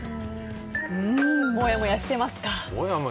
もやもやしますよ。